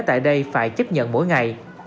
tại đây phải chấp nhận mỗi ngày